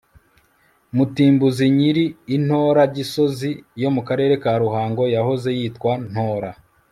Mutimbuzi nyiri i Ntora Gisozi yo mu Karere ka Ruhango yahoze yitwa Ntora